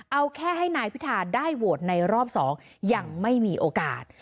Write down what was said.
เอาแค่ให้นายพิธาได้โหวตในรอบ๒ยังไม่มีโอกาส